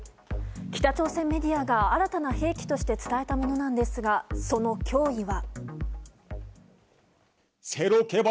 北朝鮮メディアが新たな兵器として伝えたものなんですがその脅威は。